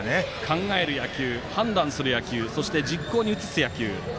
考える野球、判断する野球そして実行に移す野球。